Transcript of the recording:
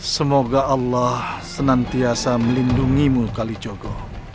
semoga allah senantiasa melindungimu kalijogo